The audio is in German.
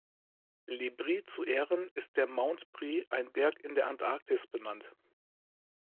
Le Bris zu Ehren ist der Mount Bris, ein Berg in der Antarktis, benannt.